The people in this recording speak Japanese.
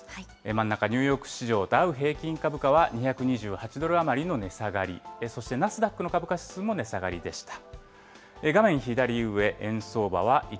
真ん中、ニューヨーク市場ダウ平均株価は２２８ドル余りの値下がり、そしてナスダックの株価指数も値下がりでした。